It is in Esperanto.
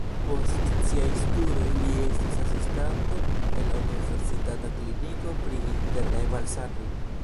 Post siaj studoj li estis asistanto en la universitata kliniko pri internaj malsanoj.